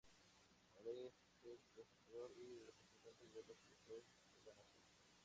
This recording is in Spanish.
Lay es el presentador y representante de los productores de la nación.